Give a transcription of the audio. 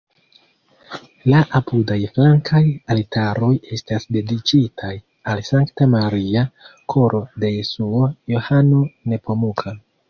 La apudaj flankaj altaroj estas dediĉitaj al Sankta Maria, Koro de Jesuo, Johano Nepomuka.